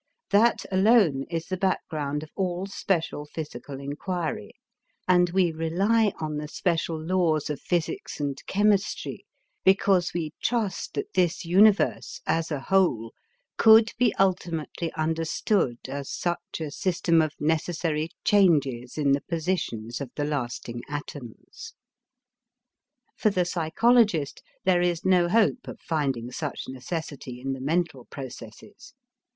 That alone is the background of all special physical inquiry, and we rely on the special laws of physics and chemistry, because we trust that this universe, as a whole, could be ultimately understood as such a system of necessary changes in the positions of the lasting atoms. For the psychologist there is no hope of finding such necessity in the mental processes.